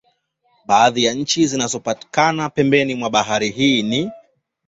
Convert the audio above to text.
Baadhi ya nchi zinazopatikana pembeni mwa bahari hii ni